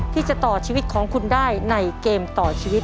ที่จะต่อชีวิตของคุณได้ในเกมต่อชีวิต